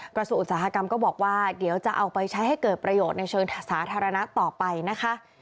อุตสาหกรรมก็บอกว่าเดี๋ยวจะเอาไปใช้ให้เกิดประโยชน์ในเชิงสาธารณะต่อไปนะคะ